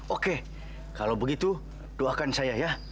oke kalau begitu doakan saya ya